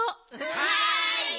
はい！